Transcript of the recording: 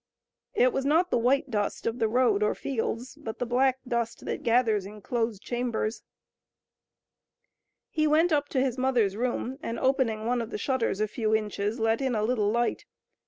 It was not the white dust of the road or fields, but the black dust that gathers in closed chambers. He went up to his mother's room, and, opening one of the shutters a few inches, let in a little light.